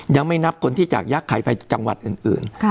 ยังไม่นับคนที่จากยักษัยไปจังหวัดอื่น